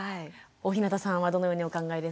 大日向さんはどのようにお考えですか？